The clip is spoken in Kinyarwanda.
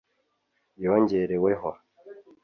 yongereweho